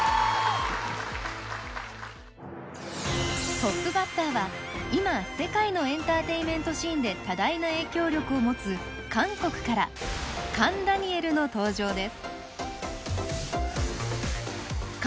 トップバッターは今世界のエンターテインメントシーンで多大な影響力を持つの登場です。